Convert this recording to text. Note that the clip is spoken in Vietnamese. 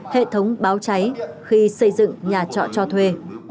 hệ thống báo cháy khi xây dựng nhà trọ cho thuê